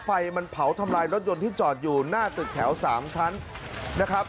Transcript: ไฟมันเผาทำลายรถยนต์ที่จอดอยู่หน้าตึกแถว๓ชั้นนะครับ